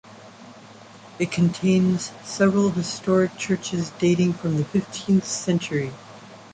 It contains several historic churches dating from the fifteenth century.